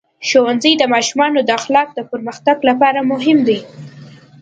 ښوونځی د ماشومانو د اخلاقو د پرمختګ لپاره مهم دی.